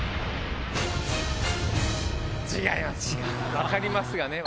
分かりますがね。